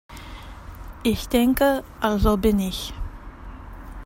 Ich denke, also bin ich.